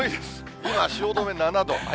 今、汐留、７度。